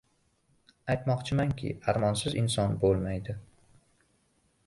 Aytmoqchimanki, armonsiz inson bo‘lmaydi.